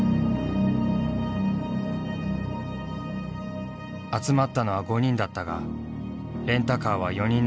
集まったのは５人だったがレンタカーは４人乗りの軽自動車。